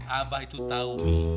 abah itu tau mi